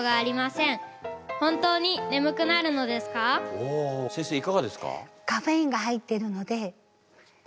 僕はおお先生いかがですか？